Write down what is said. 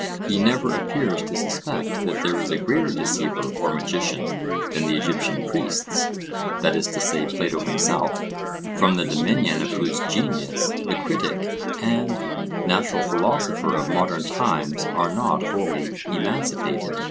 He never appears to suspect that there is a greater deceiver or magician than the Egyptian priests, that is to say, Plato himself, from the dominion of whose genius the critic and natural philosopher of modern times are not wholly emancipated.